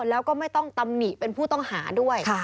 แล้วก็ไม่ต้องตำหนิเป็นผู้ต้องหาด้วย